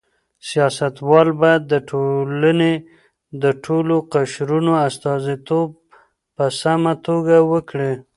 سیاستوال باید د ټولنې د ټولو قشرونو استازیتوب په سمه توګه وکړي.